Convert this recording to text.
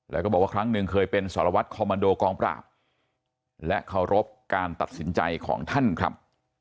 แล้วก็บอกว่าครั้งหนึ่งเคยเป็นสารวัตรคอมมันโดกองปราบและเคารพการตัดสินใจของท่านครับ